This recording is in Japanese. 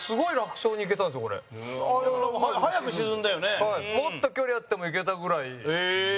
松尾：もっと距離あってもいけたぐらい。